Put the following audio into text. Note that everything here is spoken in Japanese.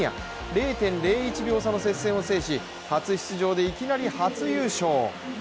０．０１秒差の接戦を制し初出場でいきなり初優勝。